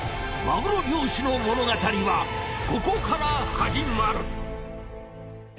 マグロ漁師の物語はここから始まる。